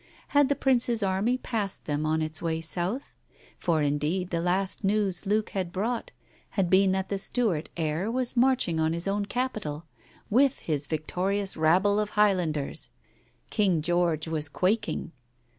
Had the Prince's army passed them on its way south? For indeed the last news Luke had brought had been that the Stuart heir was marching on his own capital, with his victorious rabble of High landers. King George was quaking.